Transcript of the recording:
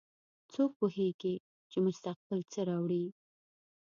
څوک پوهیږي چې مستقبل څه راوړي